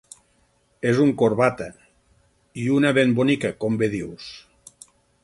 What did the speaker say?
És un corbata, i una ben bonica, com bé dius.